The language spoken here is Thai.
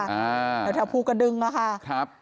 เหนือทะพูกระดึงค่ะ